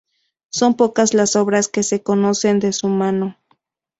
Son pocas las obras que se conocen de su mano.